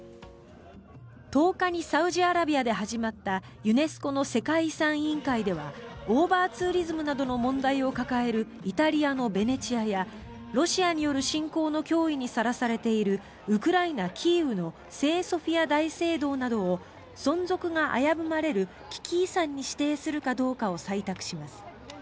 １０日にサウジアラビアで始まったユネスコの世界遺産委員会ではオーバーツーリズムなどの問題を抱えるイタリアのベネチアやロシアによる侵攻の脅威にさらされているウクライナ・キーウの聖ソフィア大聖堂などを存続が危ぶまれる危機遺産に指定するかどうかを採択します。